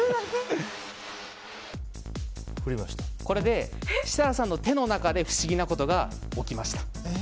これで設楽さんの手の中で不思議なことが起きました。